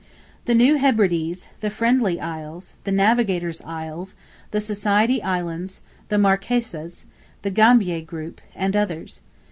The New Hebrides, the Friendly Isles, the Navigator's Isles, the Society Islands, the Marquesas, the Gambier group, and others.